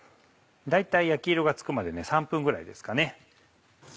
大体焼き色がつくまで３分ぐらいですかね。